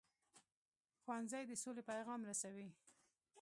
ښوونځی د سولې پیغام رسوي